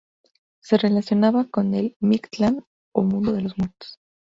Se le relacionaba con el Mictlán o mundo de los muertos.